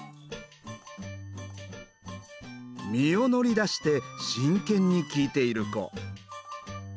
身を乗り出して真剣に聞いている子。